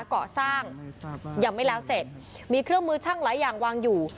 ก่อสร้างยังไม่แล้วเสร็จมีเครื่องมือช่างหลายอย่างวางอยู่